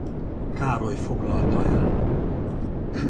Károly foglalta el.